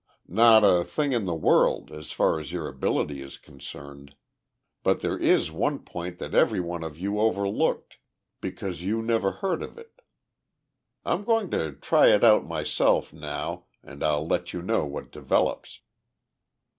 "Not a thing in the world, as far as your ability is concerned, but there is one point that every one of you overlooked because you never heard of it. I'm going to try it out myself now and I'll let you know what develops."